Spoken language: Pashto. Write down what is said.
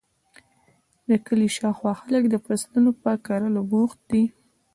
د کلي شااوخوا خلک د فصلونو په کرلو بوخت دي.